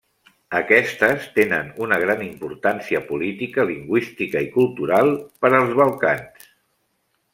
Aquestes tenen una gran importància política, lingüística i cultural per als Balcans.